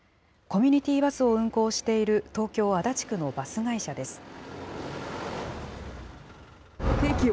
コミュニティーバスを運行している、東京・足立区のバス会社です。